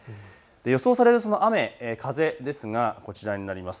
予想される雨、風ですがこちらになります。